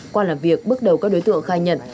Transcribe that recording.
qua làm việc bước đầu các đối tượng khai nhận